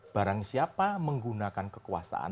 barang siapa menggunakan kekuasaan